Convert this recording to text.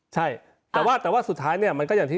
ใช่แต่ว่าสุดท้ายเนี่ย